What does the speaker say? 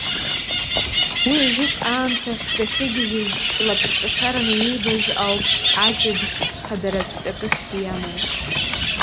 Уи ажәытә аамҭахь дахьыгьежьыз лаԥшҵашәараны иибаз ауп ажәабжь хадаратә ҵакысгьы иамоу.